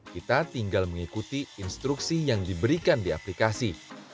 kita tinggal mengikuti instruksi yang diberikan di aplikasi